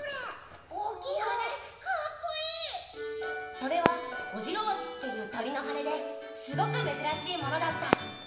それはオジロワシっていう鳥の羽根ですごくめずらしいものだった。